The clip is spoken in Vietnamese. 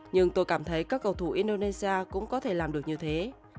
nhưng tôi cảm thấy các cầu thủ indonesia cũng có thể làm được như thế